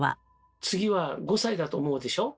次は５歳だと思うでしょ？